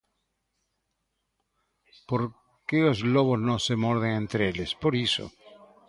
Porque os lobos non se morden entre eles, por iso.